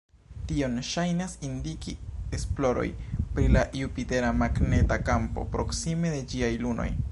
Tion ŝajnas indiki esploroj pri la Jupitera magneta kampo proksime de ĝiaj lunoj.